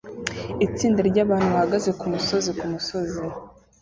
Itsinda ryabantu bahagaze kumusozi kumusozi